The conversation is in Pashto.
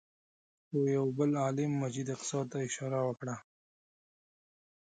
خو یوه بل عالم مسجد اقصی ته اشاره وکړه.